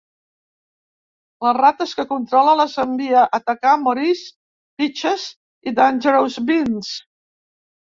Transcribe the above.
Les rates que controla les envia a atacar Maurice, Peaches i Dangerous Beans.